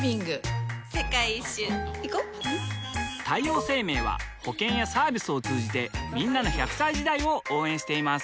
女性 ２） 世界一周いこ太陽生命は保険やサービスを通じてんなの１００歳時代を応援しています